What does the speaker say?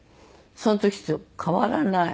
その時と変わらない。